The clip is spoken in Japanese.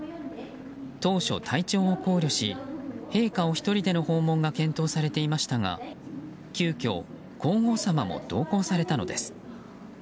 当初、体調を考慮し陛下お一人での訪問が検討されていましたが急きょ、皇后さまも同行されたのです。